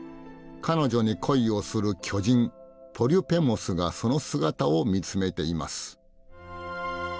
彼女に恋をする巨人ポリュペモスがその姿を見つめています。